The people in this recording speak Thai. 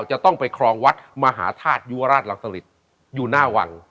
จะต้องไปครองวัดมหาธาตุยุวราชรังสลิตอยู่หน้าวัง